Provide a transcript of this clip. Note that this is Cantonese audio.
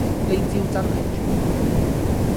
呢招真係絕